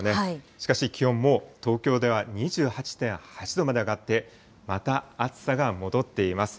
しかし、気温も東京では２８．８度まで上がって、また暑さが戻っています。